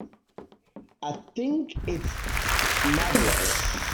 I think it's marvelous.